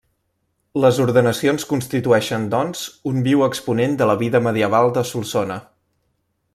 Les ordenacions constitueixen doncs un viu exponent de la vida medieval de Solsona.